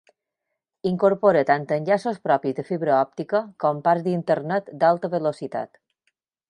Incorpora tant enllaços propis de fibra òptica com parts d'Internet d'alta velocitat.